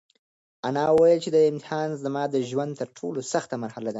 انا وویل چې دا امتحان زما د ژوند تر ټولو سخته مرحله ده.